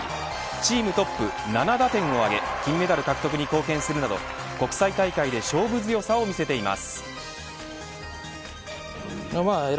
チームトップ、７打点を挙げ金メダル獲得に貢献するなど国際大会で勝負強さを見せています。